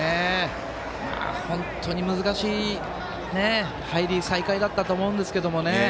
本当に難しい入り再開だったと思うんですけどね。